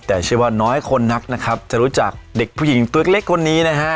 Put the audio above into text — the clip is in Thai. แต่เชื่อว่าน้อยคนนักนะครับจะรู้จักเด็กผู้หญิงตัวเล็กคนนี้นะฮะ